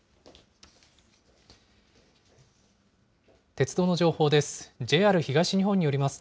鉄道の情報です。